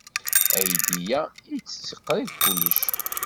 Aydi-a itett qrib kullec.